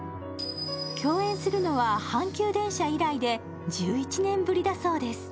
共演するのは、「阪急電車」以来で、１１年ぶりだそうです。